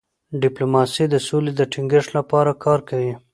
ډيپلوماسي د سولې د ټینګښت لپاره کار کوي.